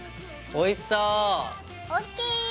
おいしそ。